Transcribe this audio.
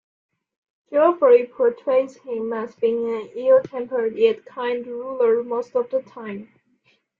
Geoffrey portrays him as being an ill-tempered yet kind ruler most of the time.